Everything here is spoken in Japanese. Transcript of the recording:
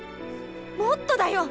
もっとだよ！